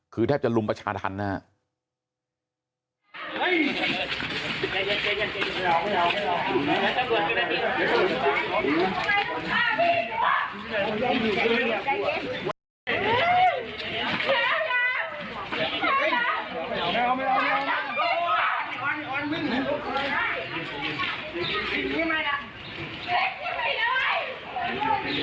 คือแทบจะลุมประชาธรรมนะครับ